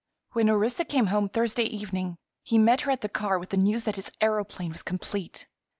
When Orissa came home Thursday evening he met her at the car with the news that his aëroplane was complete.